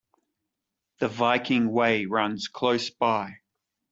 The Viking Way runs close by.